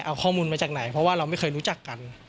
เอาข้อมูลมาจากไหนเพราะว่าเราไม่เคยรู้จักกัน